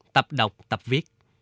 tập đọc tập viết